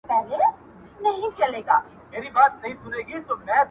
مُلا سړی سو، اوس پر لاره د آدم راغلی.